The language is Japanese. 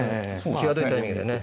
際どいタイミングでね。